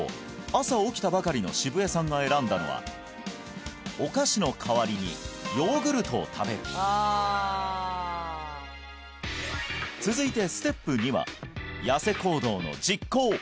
朝起きたばかりの澁江さんが選んだのはお菓子の代わりにヨーグルトを食べる続いてステップ２はヤセ行動の実行